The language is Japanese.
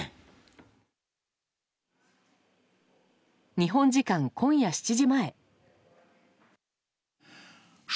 日本時間、今夜７時前。